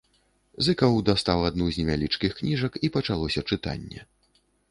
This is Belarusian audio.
Зыкаў дастаў адну з невялічкіх кніжак, і пачалося чытанне.